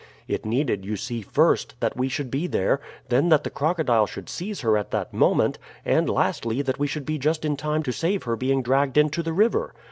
It needed, you see, first, that we should be there, then that the crocodile should seize her at that moment, and, lastly, that we should be just in time to save her being dragged into the river.